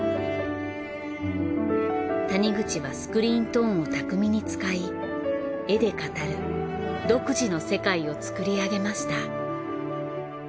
谷口はスクリーントーンを巧みに使い絵で語る独自の世界を作り上げました。